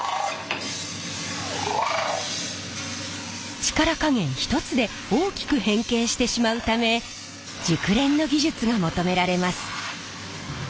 力加減一つで大きく変形してしまうため熟練の技術が求められます。